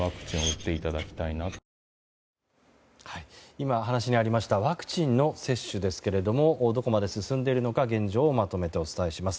今、話にありましたワクチンの接種ですけれどもどこまで進んでいるのか現状をまとめてお伝えします。